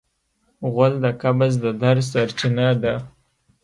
غول د قبض د درد سرچینه ده.